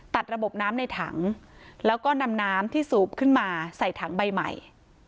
ตัดระบบน้ำในถังแล้วก็นำน้ำที่สูบขึ้นมาใส่ถังใบใหม่